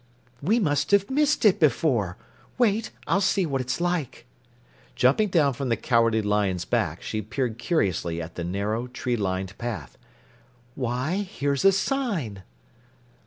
"We must have missed it before! Wait, I'll see what it's like." Jumping down from the Cowardly Lion's back, she peered curiously at the narrow, tree lined path. "Why, here's a sign!"